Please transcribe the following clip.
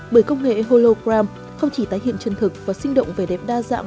bởi công nghệ hologram không chỉ tái hiện chân thực và sinh động về đẹp đa dạng